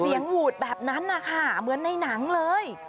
หวูดแบบนั้นนะคะเหมือนในหนังเลย